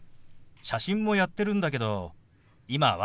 写真もやってるんだけど今は。